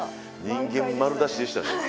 人間丸出しでしたね。